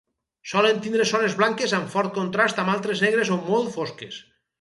Solen tindre zones blanques amb fort contrast amb altres negres o molt fosques.